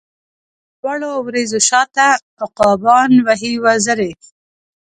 لا د لوړو وریځو شا ته، عقابان وهی وزری